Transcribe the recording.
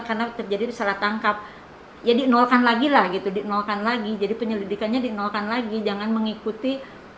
karena terjadi salah tangkap ya di nolkan lagi lah gitu di nolkan lagi jadi penyelidikannya di nolkan lagi jangan mengikuti